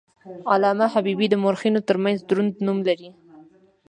علامه حبیبي د مورخینو ترمنځ دروند نوم لري.